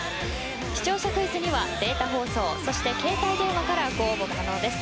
視聴者クイズにはデータ放送そして携帯電話からご応募可能です。